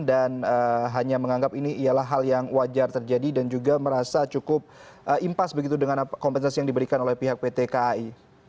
dan hanya menganggap ini ialah hal yang wajar terjadi dan juga merasa cukup impas begitu dengan kompensasi yang diberikan oleh pihak pt kai